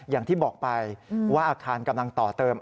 อย่างที่บอกไปว่าอาคารกำลังต่อเติม